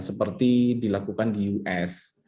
seperti dilakukan di us